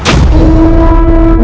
aku akan menang